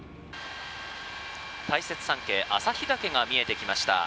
大雪山系旭岳が見えてきました。